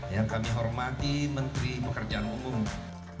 yang kami hormati menteri pekerjaan umum